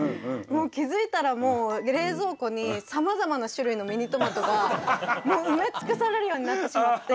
気付いたらもう冷蔵庫にさまざまな種類のミニトマトがもう埋め尽くされるようになってしまって。